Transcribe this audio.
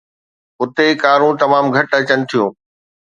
اتي ڪارون تمام گهٽ اچن ٿيون.